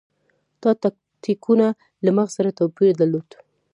دا تکتیکونه له مغز سره توپیر درلود.